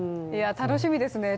楽しみですね。